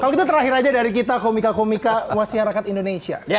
kalau gitu terakhir aja dari kita komika komika masyarakat indonesia